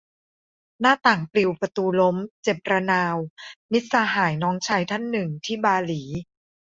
หน้าต่างปลิว ประตูล้ม เจ็บระนาว - มิตรสหายน้องชายท่านหนึ่งที่บาหลี